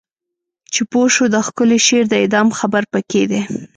چې پوه شو د ښکلی شعر د اعدام خبر پکې دی